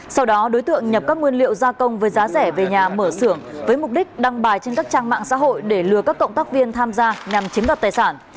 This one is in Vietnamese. sau đó đối tượng nhập các nguyên liệu gia công với giá rẻ về nhà mở xưởng với mục đích đăng bài trên các trang mạng xã hội để lừa các cộng tác viên tham gia nhằm chiếm đoạt tài sản